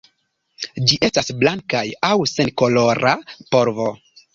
Ĝi estas blankaj aŭ senkolora polvo.